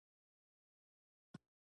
نسیم هسي په مزه و الوتلی.